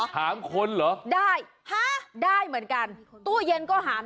หามคนเหรอ